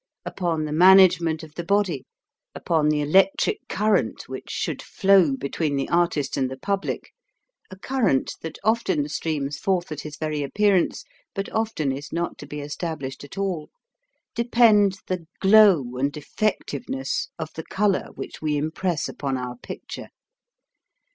Upon the management of the body, upon the electric current which should flow between the 302 BEFORE THE PUBLIC 303 artist and the public, a current that often streams forth at his very appearance, but often is not to be established at all, depend the glow and effectiveness of the color which we impress upon our picture.